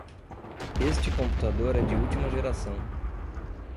Este computador é de última geração.